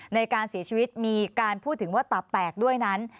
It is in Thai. ในการเสียชีวิตมีการพูดถึงว่าตับแตกด้วยนั้น